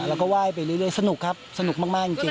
เราก็ว่ายไปเรื่อยสนุกครับสนุกมากจริง